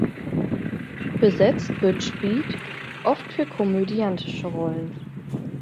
Besetzt wird Spieth oft für komödiantische Rollen.